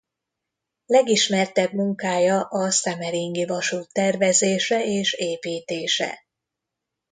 Legismertebb munkája a semmeringi vasút tervezése és építése.